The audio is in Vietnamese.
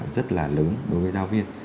rất là lớn đối với giáo viên